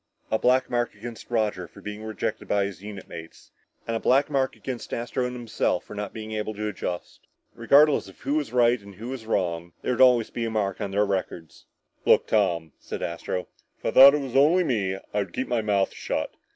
A black mark against Roger for being rejected by his unit mates and a black mark against Astro and himself for not being able to adjust. Regardless of who was right and who was wrong, there would always be a mark on their records. "Look, Tom," said Astro, "if I thought it was only me I'd keep my mouth shut.